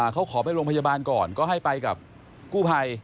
เขาขอไปโรงพยาบาลก่อนก็ให้ไปกับกู้ภัย